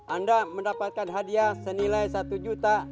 anda mendapatkan hadiah senilai satu juta